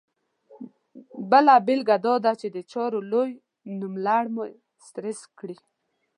بله بېلګه دا ده چې د چارو لوی نوملړ مو سټرس کړي.